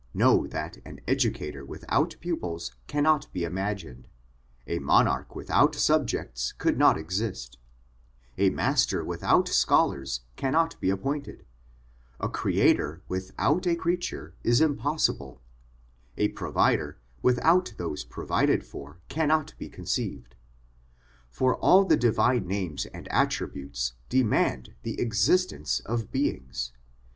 Know that an educator without pupils cannot be imagined, a monarch without subjects could not exist, a master without scholars cannot be appointed, a creator without a creature is impossible, a provider without those provided for cannot be conceived; for all the divine names and attributes demand the exist ence of beings.